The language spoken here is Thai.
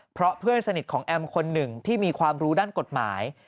เพราะเพื่อนสนิทของแอมคนหนึ่งที่มีความรู้ด้านกฎหมาย